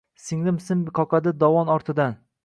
Singlim sim qoqadi dovon ortidan